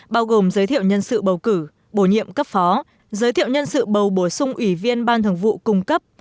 bao gồm giới thiệu nhân sự bầu cử bổ nhiệm cấp phó giới thiệu nhân sự bầu bổ sung ủy viên ban thường vụ cung cấp